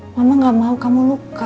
mama gak mau kamu luka